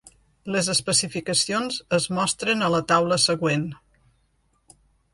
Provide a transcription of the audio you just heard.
Les especificacions es mostren a la taula següent.